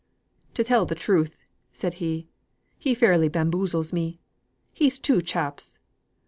"To tell the truth," said he, "he fairly bamboozles me. He's two chaps.